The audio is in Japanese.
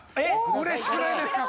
うれしくないですか？